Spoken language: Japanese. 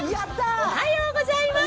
おはようございます。